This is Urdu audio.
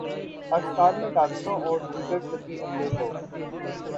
پاکستان میں ڈاکٹروں اور دیگر طبی عملے کو